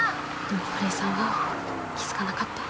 でも古井さんは気付かなかった。